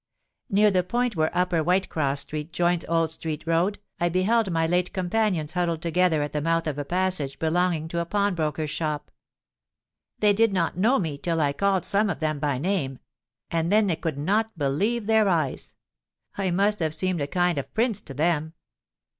Near the point where Upper Whitecross Street joins Old Street Road, I beheld my late companions huddled together at the mouth of a passage belonging to a pawnbroker's shop. They did not know me, till I called some of them by name; and then they could not believe their eyes. I must have seemed a kind of prince to them.